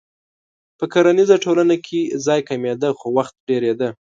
په کرنیزه ټولنه کې ځای کمېده خو وخت ډېرېده.